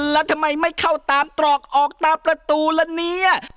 แล้วทำไมไม่เข้าตามตรอกออกตามประตูละเนี่ย